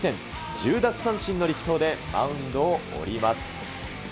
１０奪三振の力投でマウンドを降ります。